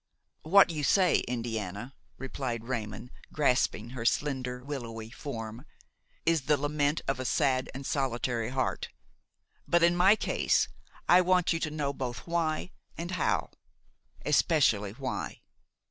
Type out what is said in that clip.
'' "What you say, Indiana," replied Raymon, grasping her slender, willowy form, "is the lament of a sad and solitary heart; but, in my case, I want you to know both why and how, especially why."